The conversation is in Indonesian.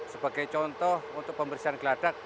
sebagai contoh untuk pembersihan geladak